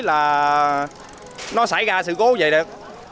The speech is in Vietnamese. là nó xảy ra sự cố vậy được